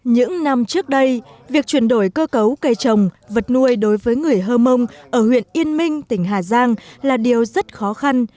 những năm trước đây việc chuyển đổi cơ cấu cây trồng vật nuôi đối với người hơ mông ở huyện yên minh tỉnh hà giang là điều rất khó khăn